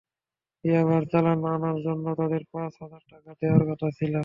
ইয়াবার চালান আনার জন্য তাদের পাঁচ হাজার টাকা দেওয়ার কথা ছিল।